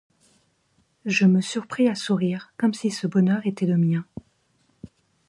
Je me surpris à sourire, comme si ce bonheur était le mien.